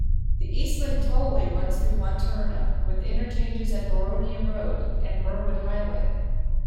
The EastLink tollway runs through Wantirna with interchanges at Boronia Road and Burwood Highway.